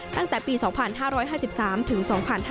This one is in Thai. ตั้งแต่ปี๒๕๕๓ถึง๒๕๕๙